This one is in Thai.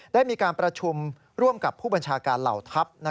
ได้มีการประชุมร่วมกับผู้บัญชาการเหล่าทัพ